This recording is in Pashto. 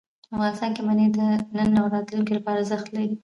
افغانستان کې منی د نن او راتلونکي لپاره ارزښت لري.